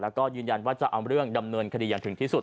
แล้วก็ยืนยันว่าจะเอาเรื่องดำเนินคดีอย่างถึงที่สุด